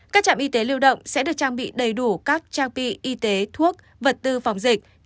các trạm y tế lưu động sẽ được trang bị đầy đủ các trang bị y tế thuốc vật tư phòng dịch